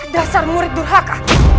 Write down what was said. dasar murid durhaka